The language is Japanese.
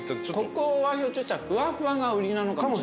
ここはひょっとしたらふわふわが売りなのかも。